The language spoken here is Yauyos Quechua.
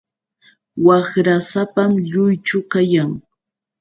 Waqrasapam lluychu kayan.